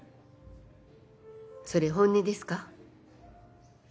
それ本音ですか？